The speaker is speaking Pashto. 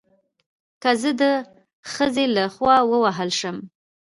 که زه د خځې له خوا ووهل شم